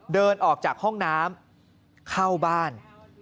เดินออกจากห้องน้ำเข้าบ้าน